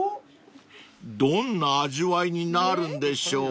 ［どんな味わいになるんでしょう？］